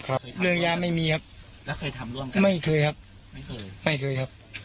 ครับครับเรื่องยาไม่มีครับแล้วเคยทำร่วมกันไม่เคยครับไม่เคยครับ